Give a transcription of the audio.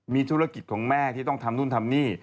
มีธุรกิจของแม่ที่ต้องทำนู่นทำนี่